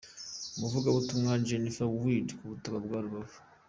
Umuvugabutumwa Jennifer Wilde ku butaka bwa Rubavu.